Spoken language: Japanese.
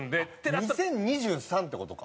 ２０２３って事か。